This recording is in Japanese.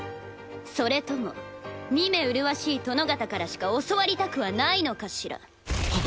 それとも見目麗しい殿方からしか教わりたくはないのかしら？